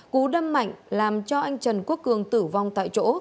cú đâm mạnh làm cho anh trần quốc cường tử vong tại chỗ